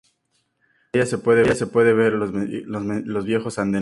Frente a ella se pueden ver los viejos andenes.